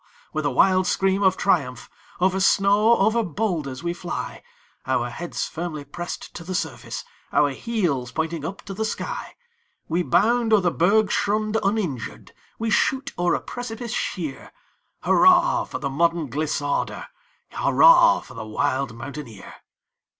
with a wild scream of triumph, Over snow, over boulders we fly, Our heads firmly pressed to the surface, Our heels pointing up to the sky! We bound o'er the bergschrund uninjured, We shoot o'er a precipice sheer; Hurrah, for the modern glissader! Hurrah, for the wild mountaineer!